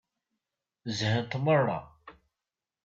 Zhant meṛṛa.